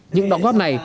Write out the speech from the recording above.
những đóng góp này